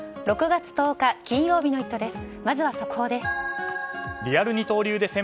６月１０日、金曜日の「イット！」です。